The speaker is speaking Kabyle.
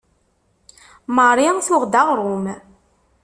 Marie tuɣ-d aɣrum.